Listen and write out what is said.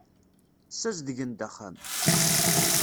Ssazedgen-d axxam.